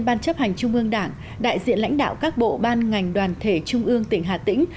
ban chấp hành trung ương đảng đại diện lãnh đạo các bộ ban ngành đoàn thể trung ương tỉnh hà tĩnh